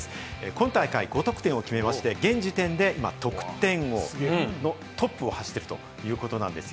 今大会５得点を決めまして、現時点で得点王、トップを走っているということなんです。